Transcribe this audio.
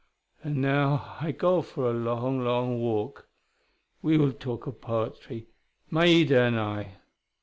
_ And now I go for a long, long walk. We will talk of poetry, Maida and I...."